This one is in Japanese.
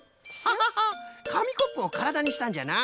ハハハッかみコップをからだにしたんじゃな。